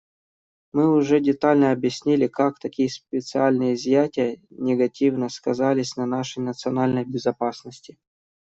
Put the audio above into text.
Мы уже детально объясняли, как такие специальные изъятия негативно сказались на нашей национальной безопасности.